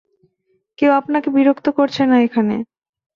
কেউ আপনাকে বিরক্ত করছে না এখানে।